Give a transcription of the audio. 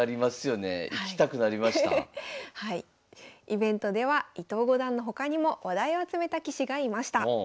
イベントでは伊藤五段の他にも話題を集めた棋士がいました。